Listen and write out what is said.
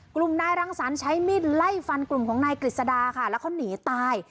กลุ่มนายรังสรรค์ใช้มีดไล่ฟันกลุ่มของนายกฤษดาค่ะแล้วเขาหนีตาย